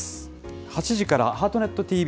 ８時からハートネットＴＶ。